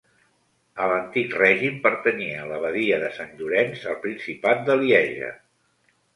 A l'antic règim pertanyia a l'abadia de Sant Llorenç al principat de Lieja.